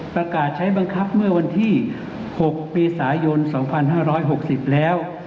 ประกาศใช้บังคับเมื่อวันที่๖เมษายน๒๕๖๐แล้ว